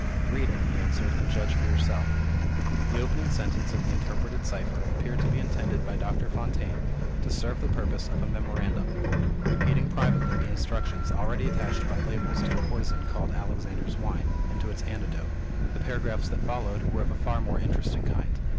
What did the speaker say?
"Read it," he answered; "and judge for yourself." The opening sentence of the interpreted cipher appeared to be intended by Doctor Fontaine to serve the purpose of a memorandum; repeating privately the instructions already attached by labels to the poison called "Alexander's Wine," and to its antidote. The paragraphs that followed were of a far more interesting kind.